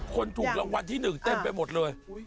คนถูกรางวัลที่๑เต็มไปหมดเลย